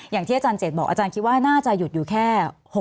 อย่างที่อาจารย์เจตบอกอาจารย์คิดว่าน่าจะหยุดอยู่แค่